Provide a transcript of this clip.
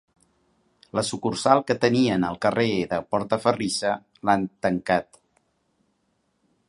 La sucursal que tenien al carrer de Portaferrissa l'han tancat.